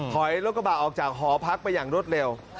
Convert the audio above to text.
ถอยรถกระบะออกจากหอพักไปอย่างรวดเร็ว